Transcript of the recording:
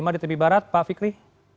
tiga puluh lima di tepi barat pak fikri